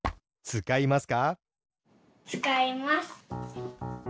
つかいます。